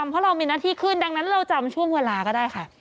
เพราะเรามีหน้าที่ขึ้นดังนั้นเราจำช่วงเวลาก็ได้ค่ะ